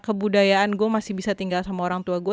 kebudayaan gue masih bisa tinggal sama orang tua gue